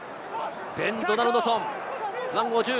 ベン・ドナルドソン。